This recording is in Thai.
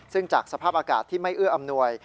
ซึ่งจากสภาพอากาศที่ไม่เอื้ออำนวย